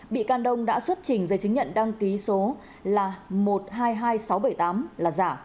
bị can đông đã xuất trình giấy chứng nhận đăng ký số một trăm hai mươi hai nghìn sáu trăm bảy mươi tám là giả